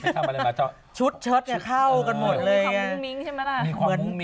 ชุดเฉินเนี่ยเข้ากันหมดเลย